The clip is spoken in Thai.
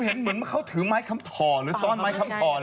ผมเห็นเหมือนเขาถือไม้คำถอหรือซ่อนไม้คำถอเลยว่ะ